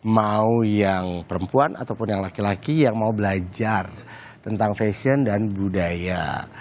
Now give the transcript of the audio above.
mau yang perempuan ataupun yang laki laki yang mau belajar tentang fashion dan budaya